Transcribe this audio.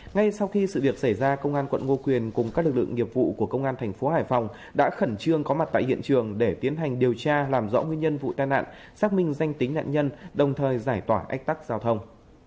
ngay sau khi sự việc xảy ra công an quận ngô quyền cùng các lực lượng nghiệp vụ của công an thành phố hải phòng đã khẩn trương có mặt tại hiện trường để tiến hành điều tra làm rõ nguyên nhân vụ tai nạn xác minh danh tính nạn nhân đồng thời giải tỏa ách tắc giao thông